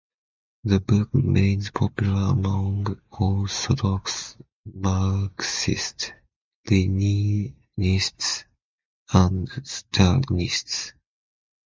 The book remains popular among orthodox Marxist-Leninists and Stalinists.